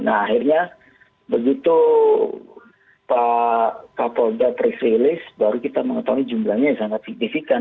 nah akhirnya begitu pak kapolda press release baru kita mengetahui jumlahnya yang sangat signifikan